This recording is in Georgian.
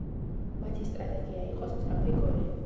მათი სტრატეგია იყო სწრაფი გოლი.